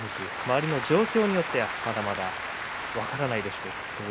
周りの状況によってはまだまだ分からないでしょうか